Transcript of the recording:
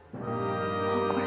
あっこれ？